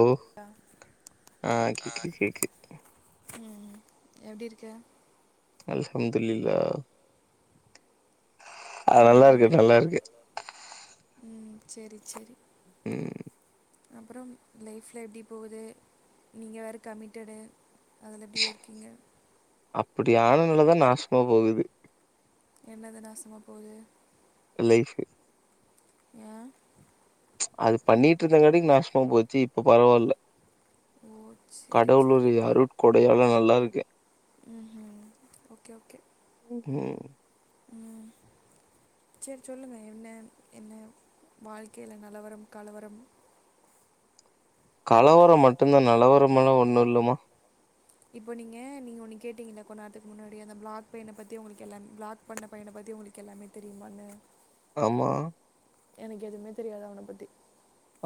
ஓ ஆ கேக்கு கேக்கு ம் எப்பிடி இருக்க அல்ஹம்துல்லில்லா ஆ நல்லா இருக்கே ம் நல்லா இருக்கே ம் சேரி சேரி ம் அப்புறம் லைஃப்லா எப்பிடி போகுது நீங்க வேற கமிட்டடு அதுல எப்டியே இருக்கீங்க அப்பிடி ஆளுகலதா நாசமா போகுது என்னது நாசமா போது லைஃப் ஏ அது பண்ணிட்டு இருந்த வரைக்கு நாசமா போச்சி இப்ப பரவாயில்ல ஓ சரி சரி கடவுளுடைய அருள் கொடையால நல்லா இருக்கு ம் ம் ஓகே ஓகே ம் ம் சேரி சொல்லுங்க என்ன என்ன வாழ்க்கையில நலவரம் கலவரம் கலவரம் மட்டும்தா நலவரம்லா ஒன்னு இல்லமா இப்போ நீங்க நீங்க ஒன்னு கேட்டீங்கங்கள கொன்னாேரத்துக்கு முன்னாடி அந்த பிளாக் பையனை பத்தி உங்களுக்கு எல்லா பிளாக் பண்ண பையனை பத்தி உங்களுக்கு எல்லாமே தெரியுமான்னு ஆமா எனக்கு எதுவுமே தெரியாது அவன பத்தி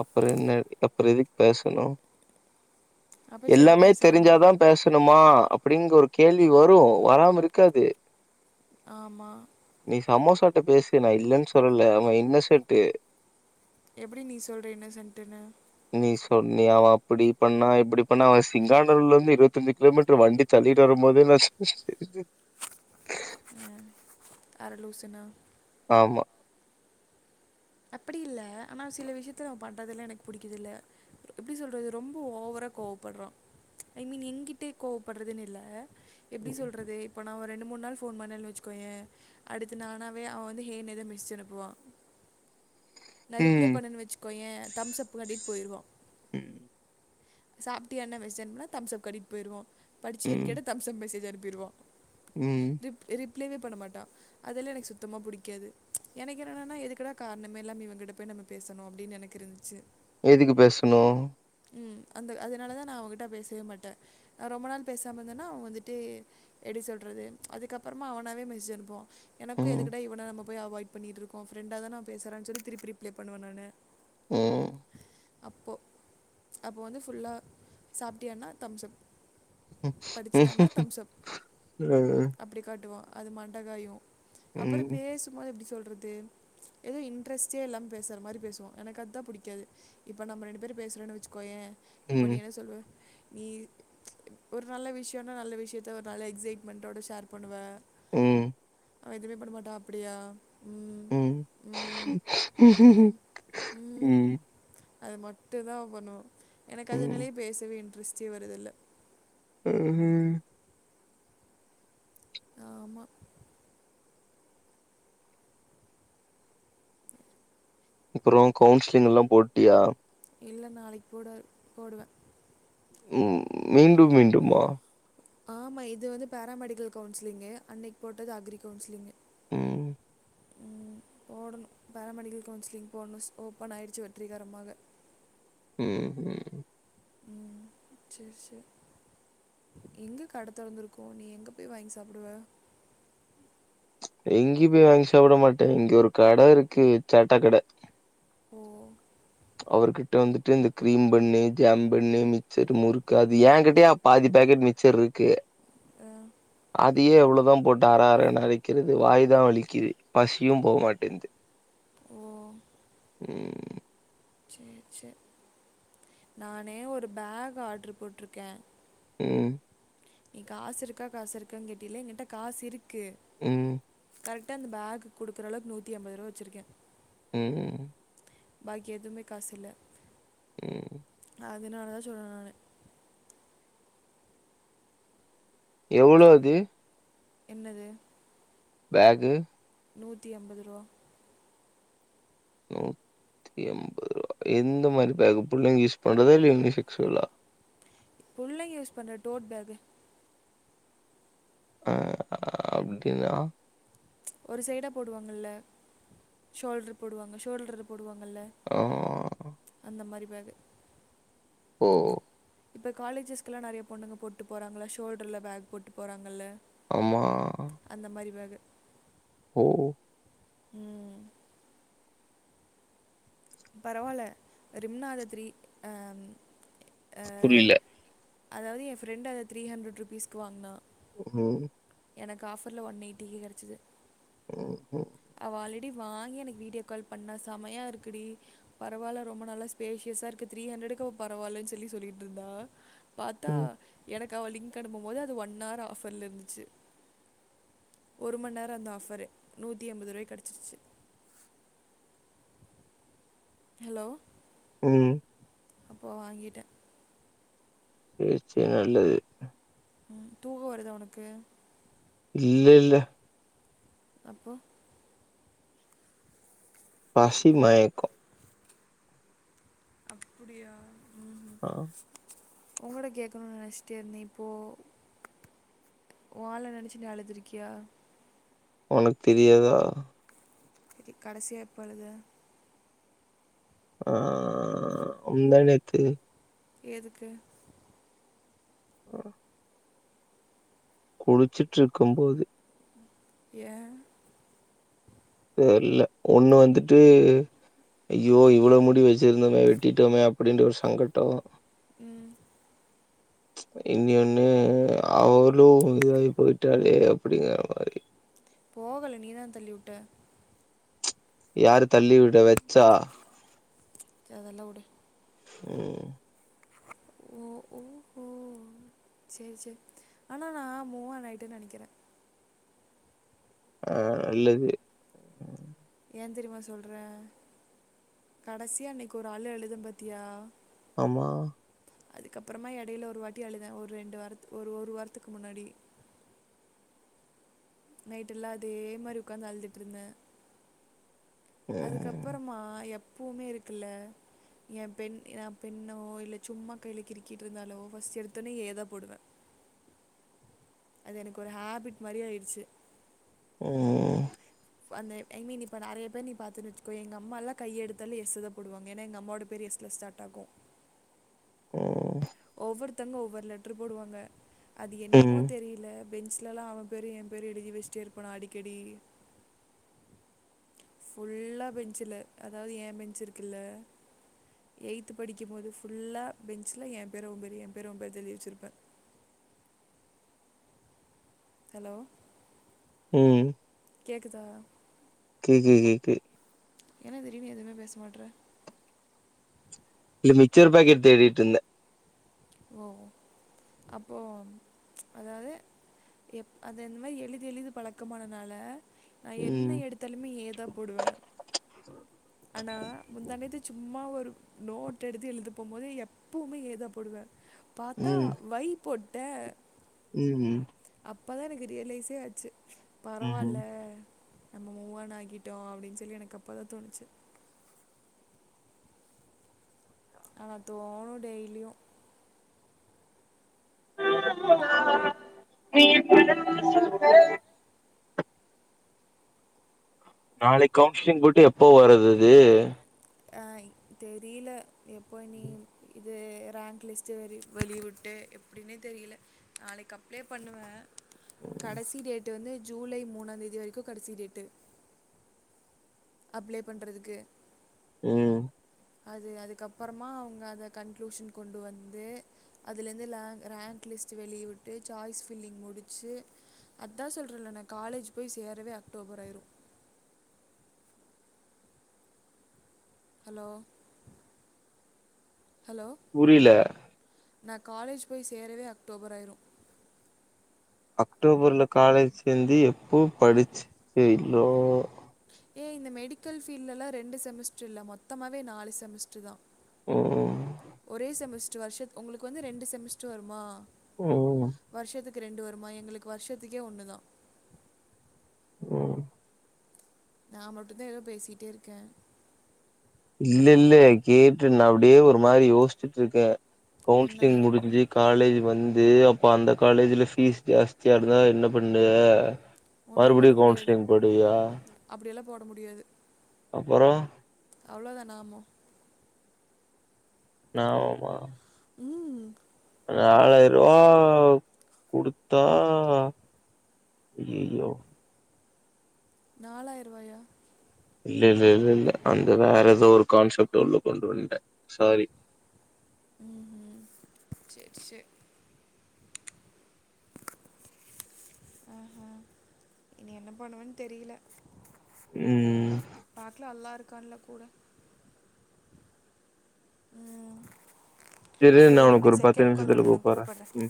அப்ற என்ன அப்பற எதுக்கு பேசணு அப்போ சரி எல்லாமே பேச வேண் தெரிஞ்சாதா பேசணுமா அப்டிங்கற ஒரு கேள்வி வரும் வராம இருக்காது ஆமா நீ சமோசாட்ட பேசு நா இல்லன்னு சொல்ல அவ இன்னசென்ட் எப்டி நீ சொல்ற இன்னசெட்டுன்னு நீ சொன்னியா அவ அப்டி பண்ணா இப்டி பண்ணா அவ சிங்காநல்லூர்ல இருந்து இருபத்தஞ்சு கிலோமீட்டர் வண்டி தள்ளிட்டு வரும்போதே ம் அரலூசுனா ஆமா அப்டி இல்ல ஆனா சில விஷயத்துல அவ பண்றதுல்லா எனக்கு பிடிக்குறது இல்ல எப்டி சொல்றது ரொம்ப ஓவரா கோவப்படுறா ஐ மீன் என்கிட்ட கோவப்படுறதுன்னு இல்ல எப்டி ம். சொல்றது இப்போ நா ரெண்டு மூணு நாள் ஃபோன் பண்ணேன்னனு வச்சுக்கோய அடுத்து நானாவே அவ வந்து ஹே ன்னு ஏதோ மெசேஜ் அனுப்புவா நா ரிப்ளை ம். பண்ணன்னு வச்சுக்கோய தம்ஸ் அப் காட்டிட்டு போயிடுவா ம் சாப்பிடியானு மெசேஜ் அணுப்புண்ணா தம்ஸ் அப் காட்டிடு போயிடுவா படிச்சையானு ம். கேட்டா தம்ஸ்சப் மெசேஜ் அனுப்பிருவா ம் ரிப் ரிப்ளேவே பண்ண மாட்டா அதெலா எனக்கு சுத்தமாக புடிக்காது எனக்கு என்னெனன்னா எதுக்கடா காரணமே இல்லாம இவகிட்ட போய் நம்ம பேசணும் அப்டின்னு எனக்கு இருந்துச்சு எதுக்கு பேசணும் ம் அந்த அதனால தா நா அவகிட்ட பேசவே மாட்ட ரொம்ப நாள் பேசாம இருந்தன்னா அவ வந்துட்டு எப்டி சொல்றது அதுக்கப்பறமா அவனாவே மெசேஜ் அனுப்புவா எனக்கும் ம். எதுக்கடா இவன நம்ம போய் அவாய்ட் பண்ணிட்டு இருக்கோ ஃப்ரண்டா தான அவ பேசுறா சொல்லி திருப்பி ரிப்ளே பண்ணுவ நானு ம் அப்போ அப்போ வந்து ஃபுல்லா சாப்ட்டியான்னா தம்ஸ்ப் படிச்சியானா தம்ஸ் அப் அ. அப்டி காட்டுவா அது மண்டகாயு அப்பற ம். பேசும் போது எப்டி சொல்றது ஏதோ இன்டரெஸ்டேல்லாம பேசுற மாரி பேசுவா எனக்கு அதா புடிக்காது இப்ப நம்ம ரெண்டு பேரும் பேசுறேன்னு வச்சுக்கோய இப்ப நீ ம். என்ன சொல்லுவ நீ ஒரு நல்ல விஷயனா நல்ல விஷயத்த ஒரு நல்ல எக்ஸைட்மெண்ட்டோட ஷேர் பண்ணுவ ம் அவ எதுமே பண்ண மாட்டா அப்டியா ம் ம் ம் ம் ம் அது மட்டும் தா அவ பண்ணுவா எனக்கு ம். அதனாலயே பேசவே இன்ட்ரெஸ்டே வருது இல்ல ம்ம் ஆமா அப்பற கவுன்சிலிங்கலா போட்டியா இல்ல நாளைக்கு போட போடுவ ம் மீண்டும் மீண்டும்மா ஆமா இது வந்து பேராமெடிக்கல் கவுன்சிலிங்கு அன்னைக் போட்டது அக்ரி கவுன்சிலிங்கு ம் ம். போடணும். பேராமெடிக்கல் கவுன்சிலிங் போட்ணு ஓப்பன் ஆயிடுச்சு வெற்றிகரமாக ம் ம் ம் சேர் சேர் எங்க கட தொறந்துருக்கு நீ எங்க போய் வாய்ங் சாப்புடுவே எங்கியு போய் வாங்கி சாப்பிட மாட்டே இங்க ஒரு கட இருக்கு தட்டக்கட ஓ அவருகிட்ட வந்துட்டு இந்த கிரீம் பண்ணு ஜாம் பண்ணு மிச்சர் முறுக்கு அது ஏங்கிட்டயே அ பாதி பாக்கெட் மிச்சர் இருக்கு ஆ அதையே எவ்ளோதா போட்டு அர அரன் அரைக்கிறது வாய்தா வலிக்குது பசியு போக மாட்டுன் து ஓ ம் சேர் சேர் நானு ஒரு பேக் ஆட்ரு போட்ருக்கே ம் நீ காசு இருக்கா காசு இருக்கா கேட்டில எங்கிட்ட காசு இருக்கு ம் கரெக்டா இந்த பேகுக் குடுக்குற அளவுக்கு நூத்தி அம்பதுருபா வெச்சுருக்கே ம் பாக்கி எதுமே காசு இல்ல ம் அதனால தா சொல்ல நானு எவ்ளோ அது என்னது பேகு நூத்தி அம்பதுருவா நூத்தி ஐம்பத்ருவா எந்த மாரி பேகு புள்ளைங்க யூஸ் பண்றதா இல்ல யுனிசெக்ஸ்வலா புள்ளைங்க யூஸ் பண்ற டோட்பேகு அ அப்டினா ஒரு சைடா போடுவாங்கள்ல ஷோல்ட்ரு போடுவாங்க ஷோல்டருல்ல போடுவாங்கல்ல ஆ அந்த மாரி பேகு ஓ இப்ப காலேஜஸ்கெல்லா நெறைய பொண்ணுங்க போட்டு போறாங்கல ஷோல்டர்ல பேக் போட்டு போறாங்கல்ல ஆமா அந்த மாரி பேகு ஓ ம் பரவால்ல ரிம்னா அத த்ரீ அ ம் அ புரியல அதாவது எ ஃப்ரெண்டு அத த்ரீ ஹண்ட்ரட் ருப்பீஸ்க்கு வாங்னா ஒ ஒ எனக்கு ஆஃபர்ல ஒன் எயிட்டிக்கு கெடச்சிது உ உ அவ ஆல்ரெடி வாங்கி எனக்கு வீடியோ கால் பண்ணா சமையா இருக்குடி பரவால ரொம்ப நல்ல ஸ்பேஷியஸா இருக்கு த்ரீ ஹண்ட்ரடுக் அவ பரவாலன் சொல்லி சொல்லிகிட்ருந்தா பார்த்தா ம் எனக்கு அவ லிங்க் அனுப்பும் போது அது ஒன் ஹவர் ஆஃபர்ல இருந்துச்சு ஒரு மணி நேரம் அந்த ஆஃபரு நூத்தி எம்பது ரூபாய்க்கு கிடைச்சிருச்சு ஹலோ ம் அப்போ வாங்கிட்டேன் சேர் சேர் நல்லது ம் தூக்கம் வருதா உனக்கு இல்ல இல்ல அப்போ பசி மயக்கம் அப்படியா ஆ உங்களோட கேட்கணும்னு நினச்சிட்டே இருந்தேன் இப்போ உன் ஆள நெனைச்சு நீ அழுதுருக்கியா உனக்கு தெரியாதா செரி கடைசியா எப்போ அழுத ஆ முந்தாநேத்திக்கு எதுக்கு ஓ குடிச்சுட்டு இருக்கும் போது ஏன் தெரில ஒண்ணு வந்துட்டு ஐயோ இவ்ளோ முடி வச்சிருந்தோமே வெட்டிட்டோமே அப்படின்ற ஒரு சங்கடம் ம் இனி ஒன்னு அவளும் இது வாயி போயிட்டாலே அப்படிங்கற மாதிரி போகல நீ தான் தள்ளிவுட்ட யாரு தள்ளி விட வச்சா அதெல்லாம் உடு ம் ஓ ஓ ஒ செரி செரி ஆனா நான் மூவான் ஆயிட்டேன்னு நெனைக்கிறேன் ஆ நல்லது ஏன் தெரியுமா சொல்றேன் கடைசியா அன்னைக்கி ஒரு அழு அழுதேன் பாத்தியா ஆமா அதுக்கப்புறமா இடையில ஒரு வாட்டி அழுதேன் ஒரு ரெண்டு வாரத்து ஒரு ஒரு வாரத்துக்கு முன்னாடி நைட்டு எல்லாம் அதே மாரி உக்காந்து அழுதிட்டு இருந்தேன் ம் அதுக்கப்பறமா எப்பவுமே இருக்குல்ல என் பென் என் பென்னோ இல்லை சும்மா கையில கிருக்கிட்டு இருந்தாலோ ஃபஸ்ர்ட் எடுத்தோடனே ஏ தான் போடுவேன் [unintelligible] அது எனக்கு ஒரு ஹபிட் மாரி ஆயிடுச்சு ஓ அந்த ஐ மீன் இப்ப நறைய பேர் நீ பாத்தேன்னு வச்சுகோயேன் எங்க அம்மாலாம் கைய எடுத்தாலே எஸ் தான் போடுவாங்க ஏன்னா எங்க அம்மா வோட பேரு எஸ் ல ஸ்டார்ட் ஆகும் டாகும் [unintelligible] ம் ஒவ்வொருத்தங்க ஒவ்வொருத்தவங்க ஒவ்வொரு லெட்டரு போடுவாங்க அது ம் என்னமோ தெரியல பெஞ்ச்லலா அவம்பேரு ஏம்பேரு எழுதி வச்ட்டே இருப்பனா அடிக்கடி ஃபுல்லா பெஞ்சில அதாவது ஏ பெஞ்சு இருக்குல்ல எயித்து படிக்கிம்போது ஃபுல்லா பெஞ்ச்ல ஏ பேரு அவ பேரு ஏ பேரு அவ பேருதா எழுதி வச்சிருப்பே ஹலோ உம் கேக்குதா கேக்குது கேக்கு என்ன திடீர்னு எதுமே பேச மாட்றே இல்ல மிச்சர் பாக்கெட் தேடிட்ருந்த ஓ அப்போ அதாவது எப் அது அந்த மாரி எழிதி எழிது பழக்கமானனால நா என்ன ம் எடுத்தாலுமே ஏ தா போடுவே ஆனா முந்தா நேத்து சும்மா ஒரு நோட் எடுத்து எழுதப்போம்போது எப்பவுமே ஏ தா போடுவே பாத்தா வை போட்டே உம் அப்பதா எனக்கு ரியலைஸே ஆச்சு ம் பரவால்ல நம்ம மூவான் ஆகிட்டோ அப்டின் சொல்லி எனக்கு அப்பதா தோனுச்சி ஆனா தோணு டெய்லியு நீ நாளைக் கவுன்சிலிங் பொயிட்டு எப்போ வரதிது அஹாயி தெரியல எப்போ இனி இது ரேங்க் லிஸ்ட்டு வெரி வெளியவுட்டு எப்டினே தெரியல நாளைக்கப்ளே பண்ணுவே கடைசீ டேட்டு வந்து ஜூலை மூணாந்தேதி வரைக்கு கடைசி டேட்டு அப்ளை பண்றதுக்கு உம் அது அதுக்கப்பறமா அவங்க அத கன்க்ளூஷன் கொண்டு வந்து அதுலருந்து லேங் ரேங்க் லிஸ்ட்டு வெளிய விட்டு சாய்ஸ் பில்லிங் முடிச்சி அதா சொல்றல நா காலேஜி போய் சேரவே அக்டோபர் ஆயிரு ஹலோ ஹலோ புரியலே நா காலேஜ் போய் சேரவே அக்டோபர் ஆயிரு அக்டோபர்ல காலேஜ் சேந்தி எப்போ படிச்சி எயில்லோ ஏ இந்த மெடிக்கல் பீல்ட்லலா ரெண்டு செமஸ்ட்ரு இல்ல மொத்தமாவே நாலு செமஸ்ட்ருதா ம் ஒரே செமஸ்ட்ரு வருஷத் ஒங்களுக்கு வந்து ரெண்டு செமஸ்ட்ரு வருமா உம் வருஷத்துக்கு ரெண்டு வருமா எங்களுக்கு வருஷத்துக்கே ஒன்னுதா ஓ நா மட்டுந்தா ஏதோ பேசிகிட்டே இருக்கே இல்லெல்ல கேட்டு நா அப்டியே ஒரு மாரி யோசிச்சிட்ருக்கே கவுன்சிலிங் என்னதை முடிஞ்சி காலேஜி வந்து அப்போ அந்த காலேஜில ஃபீஸ் ஜாஸ்தியாருந்தா என்ன பண்ணுவே ஒன்றும் போட மறுபடியு முடியாது கவுன்சிலிங் போய்டுவியா அப்படியெல்லாம் போட அப்பறோ அவ்ளோதா நாமோ நாமமா ம் நாலாயிரரூவா குடுத்தா அய்யய்யோ நாலாயிரரூவாயா இல்ல இல்ல இல்ல இல்ல அந்த வேற எதோ ஒரு கான்செப்ட் உள்ள கொண்டு வந்ட்டே சாரி ம் ம் செர் செர் ஆஹ இனி என்ன பண்ணுவன் தெரியில ம் பாக்லா அல்லா இருக்கான்ல கூட ம் ஏ நா இரு உனக்கு ஒரு எனக் பத்து செகண்ட் கால் நிமிஷத்துல வருது எனக் கூப்பட்றே கூப்பற்றே ம்